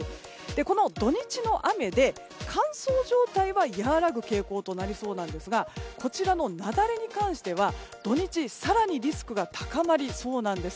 この土日の雨で乾燥状態は和らぐ傾向となりそうなんですが雪崩に関しては土日、更にリスクが高まりそうなんです。